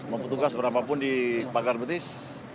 membutuhkan seberapa pun di pakar betis